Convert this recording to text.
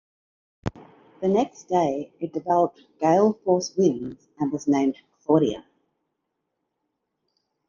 The next day, it developed gale-force winds and was named Claudia.